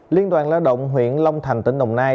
liên đoàn lao động huyện long thành tỉnh đồng nai